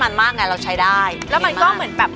มันหน้าจะปล้าอะอยู่ซิบ